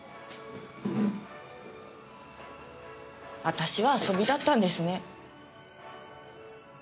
私は遊びだったんですね。